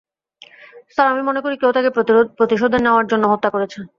Sir, আমি মনে করি কেউ তাকে প্রতিশোধের নেওয়ার জন্য হত্যা করেছে।